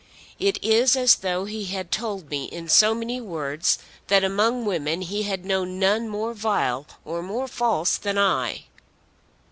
It is as though he had told me in so many words that among women he had known none more vile or more false than I."